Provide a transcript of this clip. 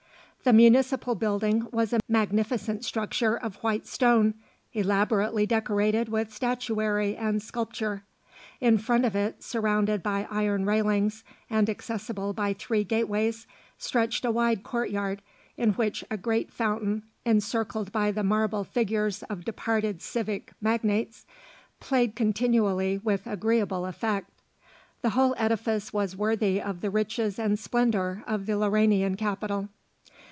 The Municipal building was a magnificent structure of white stone, elaborately decorated with statuary and sculpture. In front of it, surrounded by iron railings and accessible by three gateways, stretched a wide courtyard, in which a great fountain, encircled by the marble figures of departed civic magnates, played continually with agreeable effect. The whole edifice was worthy of the riches and splendour of the Lauranian capital.